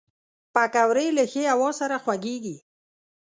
پکورې له ښې هوا سره خوږېږي